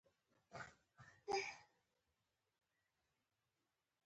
له زور زیاتي، ناوړه سلوک او سپکاوي سره مخامخ نه شي.